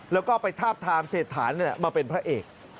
แล้วก็ไปทาบทามเศรษฐานมาเป็นพระเอก